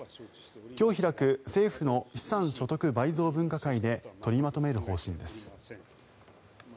今日開く政府の資産所得倍増分科会で取りまとめる方針です。